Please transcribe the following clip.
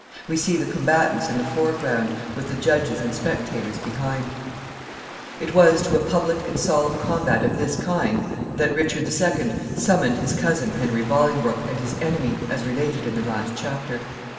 We see the combatants in the foreground, with the judges and spectators behind. [Sidenote: Henry Bolingbroke.] It was to a public and solemn combat of this kind that Richard the Second summoned his cousin Henry Bolingbroke, and his enemy, as related in the last chapter.